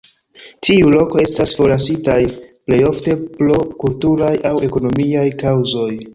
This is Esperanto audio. Tiuj lokoj estas forlasitaj plej ofte pro kulturaj aŭ ekonomiaj kaŭzoj.